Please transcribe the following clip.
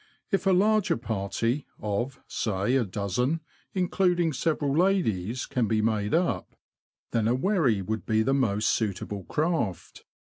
If a larger party, of, say, a dozen (including several ladies), can be made up, then a wherry would A Norfolk Wherry. be the most suitable craft.